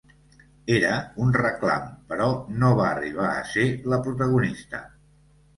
Era un reclam, però no va arribar a ser la protagonista.